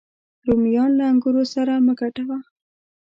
رومیان له انګورو سره مه ګډوه